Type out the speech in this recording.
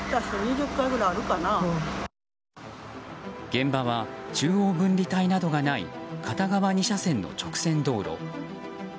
現場は中央分離帯などがない片側２車線の直線道路。